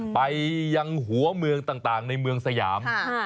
ไปยังหัวเมืองต่างในเมืองสยาม